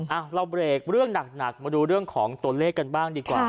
อ่ะเราเบรกเรื่องหนักมาดูเรื่องของตัวเลขกันบ้างดีกว่า